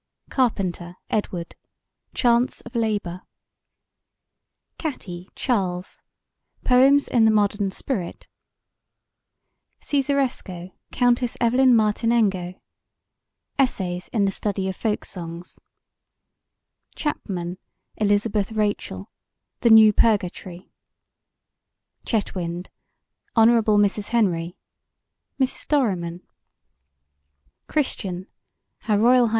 CARPENTER, EDWARD: Chants of Labour CATTY, CHARLES: Poems in the Modern Spirit CESARESCO, COUNTESS EVELYN MARTINENGO: Essays in the Study of Folk Songs CHAPMAN, ELIZABETH RACHEL: The New Purgatory CHETWYND, HON. MRS. HENRY: Mrs. Dorriman CHRISTIAN, H. R. H.